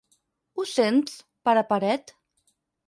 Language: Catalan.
Ho sents, pare paret?